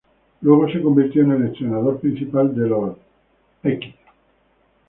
Luego se convirtió en el entrenador principal de los St.